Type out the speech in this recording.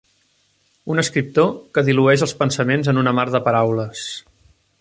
Un escriptor que dilueix els pensaments en una mar de paraules.